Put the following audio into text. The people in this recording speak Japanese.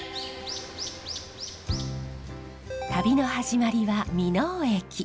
旅の始まりは箕面駅。